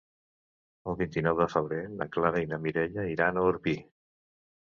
El vint-i-nou de febrer na Clara i na Mireia iran a Orpí.